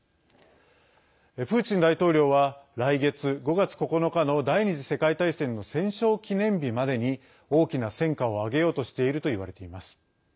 プーチン大統領は来月５月９日の第２次世界大戦の戦勝記念日までに大きな戦果を挙げようとしているといわれています。